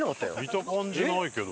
見た感じないけど。